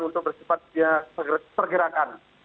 untuk bersempat pergerakan